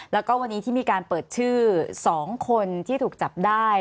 แล้วก็วันนี้ที่มีการเปิดชื่อ๒คนที่ถูกจับได้